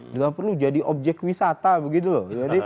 jika perlu jadi objek wisata begitu lho